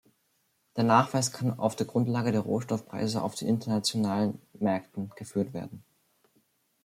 Der Nachweis kann auf der Grundlage der Rohstoffpreise auf den internationalen Märkten geführt werden.